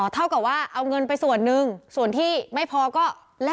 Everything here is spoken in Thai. อ๋อเท่ากับว่าเอาเงินไปส่วนหนึ่งส่วนที่ไม่พอก็แลกยาเสพติดแทน